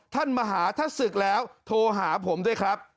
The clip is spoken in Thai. มาหาถ้าศึกแล้วโทรหาผมด้วยครับ